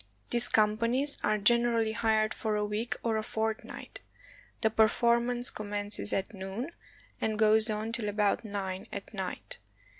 These companies are generally hired for a week or a fortnight. The performance commences at noon, and goes on till about nine at night.